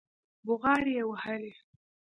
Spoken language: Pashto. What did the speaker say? بوغارې يې وهلې.